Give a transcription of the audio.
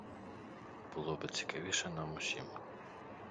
Було би цікавіше нам усім.